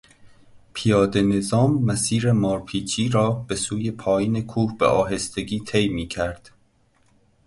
پیادهنظام مسیر مارپیچی را به سوی پایین کوه به آهستگی طی میکرد.